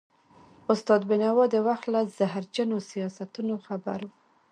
استاد بينوا د وخت له زهرجنو سیاستونو خبر و.